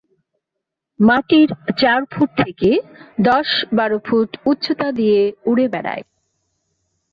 মাটির চার ফুট থেকে দশ-বারো ফুট উচ্চতা দিয়ে উড়ে বেড়ায়।